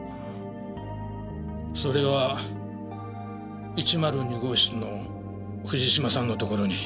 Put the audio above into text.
それは１０２号室の藤島さんの所に。